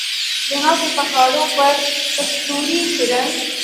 یہاں کے پہاڑوں پر کستوری ہرن